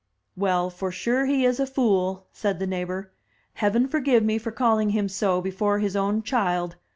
"Well, for sure he is a fool," said the neighbor. "Heaven forgive me for calling him so before his own child!